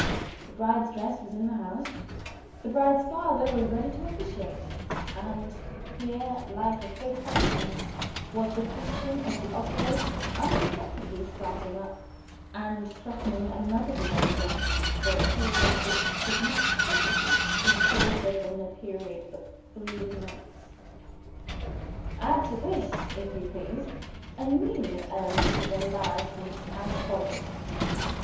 The bride's dress was in the house; the bride's father was ready to officiate and here, like a fatality, was the question of the operation unexpectedly starting up, and threatening another delay yet, for a period which could not possibly be shorter than a period of three months! Add to this, if you please, a new element of embarrassment as follows.